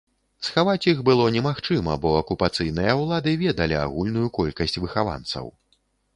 Схаваць іх было немагчыма, бо акупацыйныя ўлады ведалі агульную колькасць выхаванцаў.